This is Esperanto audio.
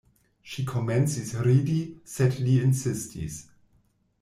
Ŝi komencis ridi, sed li insistis.